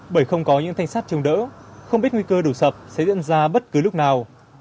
bởi không có những thanh sát chống đỡ không biết nguy cơ đổ sập sẽ diễn ra bất cứ lúc nào